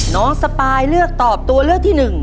สปายเลือกตอบตัวเลือกที่๑